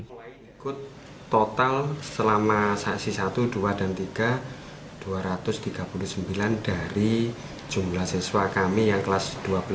kita ikut total selama sesi satu dua dan tiga dua ratus tiga puluh sembilan dari jumlah siswa kami yang kelas dua belas dua ratus empat puluh empat